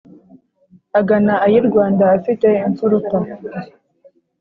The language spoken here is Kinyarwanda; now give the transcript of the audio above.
agana iy’i rwanda afite imfuruta